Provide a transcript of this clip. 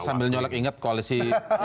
sambil nyelek ingat koalisi